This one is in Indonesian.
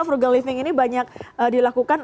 frugal living ini banyak dilakukan